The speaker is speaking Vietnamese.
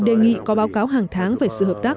đề nghị có báo cáo hàng tháng về sự hợp tác